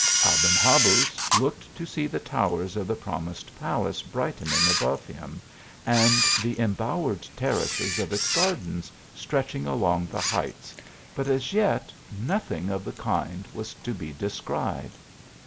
Aben Habuz looked to see the towers of the prom ised palace brightening above him, and the embow ered terraces of its gardens stretching along the heights, but as yet, nothing of the king was to be descried.